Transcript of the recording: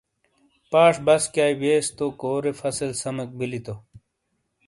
پاش بسکیائی ویئس تو کورے فصل سمیک بِیلی تو